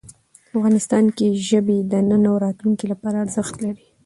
افغانستان کې ژبې د نن او راتلونکي لپاره ارزښت لري.